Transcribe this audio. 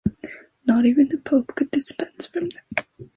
Not even the Pope could dispense from them.